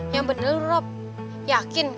yang bener rob yakin